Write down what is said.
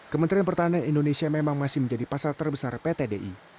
kementerian pertanian indonesia memang masih menjadi pasar terbesar pt di